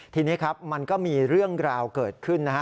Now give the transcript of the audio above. ทีนี้ครับมันก็มีเรื่องราวเกิดขึ้นนะฮะ